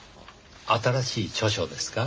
新しい著書ですか？